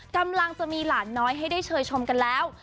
กำลังจะมีหลานน้อยให้ได้เชยชมกันแล้ว